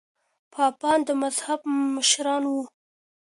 پاپان د مذهب مشران وو.